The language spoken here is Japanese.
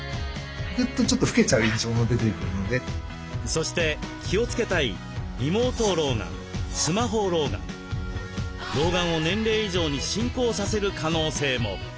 そして気をつけたい老眼を年齢以上に進行させる可能性も。